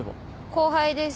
後輩です